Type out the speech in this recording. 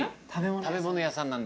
食べ物屋さん。